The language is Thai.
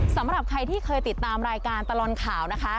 สำหรับใครที่เคยติดตามรายการตลอดข่าวนะคะ